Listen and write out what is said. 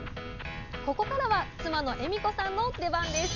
ここからは妻の栄美子さんの出番です。